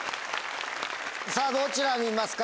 さぁどちら見ますか？